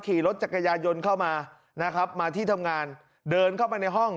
ขี่รถจักรยายนต์เข้ามานะครับมาที่ทำงานเดินเข้ามาในห้อง